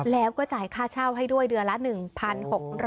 แล้วก็จ่ายค่าเช่าให้ด้วยเดือนละ๑๖๐๐บาท